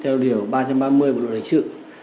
theo điều ba trăm ba mươi bộ đội lệnh trực